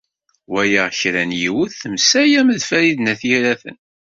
Walaɣ kra n yiwet temsalam d Farid n At Yiraten.